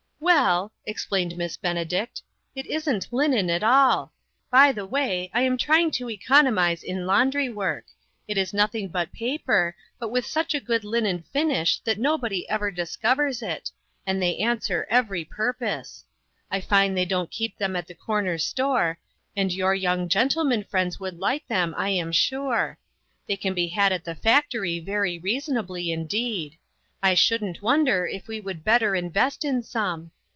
" Well," explained Miss Benedict, " it isn't linen at all. By the way, I am trying to economize in laundry work. It is nothing but paper, but with such a good linen finish that nobody ever discovers it, and they answer every purpose. I find they don't keep them at the corner store, and your young gentleman friends would like them, I am sure. They can be had at the factory very reasonably, indeed. I shouldn't wonder if we would better invest in some.